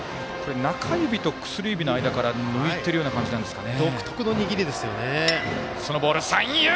中指と、薬指の間から抜いてる感じなんですかね。